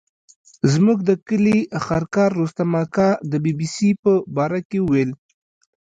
زموږ د کلي خرکار رستم اکا د بي بي سي په باره کې ویل.